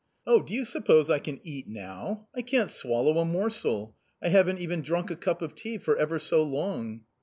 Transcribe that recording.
" Oh, do you suppose I can eat now ? I can't swallow a morsel ; I haven't even drunk a cup of tea for ever so long.